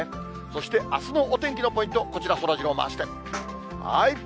そして、あすのお天気のポイント、こちら、そらジロー、回して。